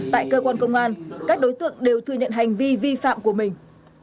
tại cơ quan công an các đối tượng đều thừa nhận hành vi vi phạm của mình